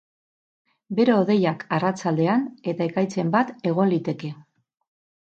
Bero-hodeiak arratsaldean, eta ekaitzen bat egon liteke.